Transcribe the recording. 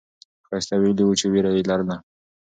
ښایسته ویلي وو چې ویره یې لرله.